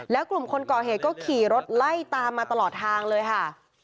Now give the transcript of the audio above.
แล้วกลุ่มคนก่อเหตุก็ขี่รถไล่ตามมาตลอดทางเลยค่ะ